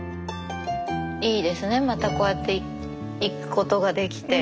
いいですねまたこうやって行くことができて。